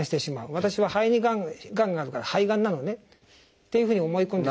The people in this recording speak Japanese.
私は肺にがんがあるから肺がんなのねというふうに思い込んでしまう場合も。